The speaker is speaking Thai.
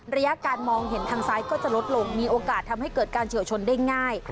ระยะการมองเห็นทางซ้ายก็จะลดลงมีโอกาสทำให้เกิดการเฉียวชนได้ง่าย